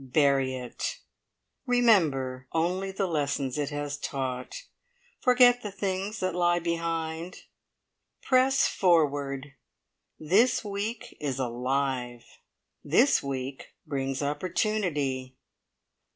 Bury it! Remember only the lessons it has taught. Forget the things that lie behind. Press forward! This week is alive. This week brings opportunity.